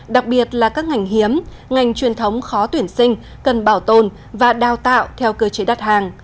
đặc biệt là các ngành hiếm ngành truyền thống khó tuyển sinh cần bảo tồn và đào tạo theo cơ chế đắt hàng